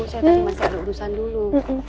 saya tadi masih ada urusan dulu